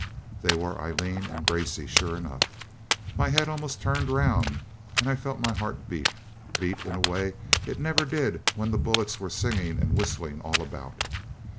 They were Aileen and Gracey sure enough. My head almost turned round, and I felt my heart beat beat in a way it never did when the bullets were singing and whistling all about.